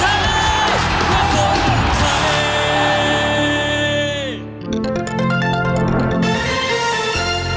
ให้มีความสุขกับการเล่นฟุตบอลให้น่าที่สุด